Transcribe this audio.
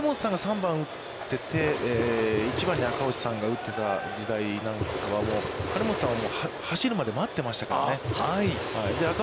ですから、金本さんが３番を打ってて、１番に赤星さんが打ってた時代なんかは、金本さんは走るまで待ってましたからね。